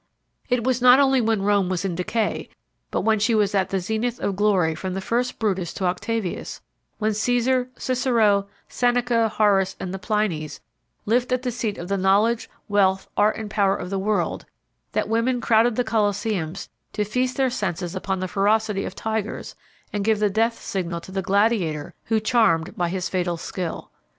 It was not only when Rome was in decay, but when she was at the zenith of glory from the first Brutus to Octavius, when Cæsar, Cicero, Seneca, Horace, and the Plinys lived at the seat of the knowledge, wealth, art and power of the world, that women crowded the colosseums to feast their senses upon the ferocity of tigers and give the death signal to the gladiator who charmed by his fatal skill.